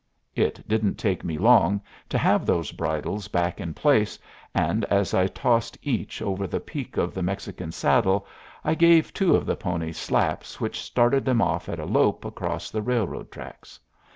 It didn't take me long to have those bridles back in place, and as I tossed each over the peak of the Mexican saddle I gave two of the ponies slaps which started them off at a lope across the railroad tracks.